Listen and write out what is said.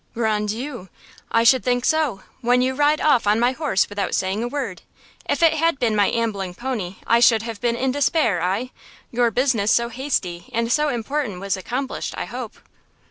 "Grand Dieu! I should think so, when you ride off on my horse without saying a word. If it had been my ambling pony I should have been in despair, I! Your business so hasty and so important was accomplished, I hope."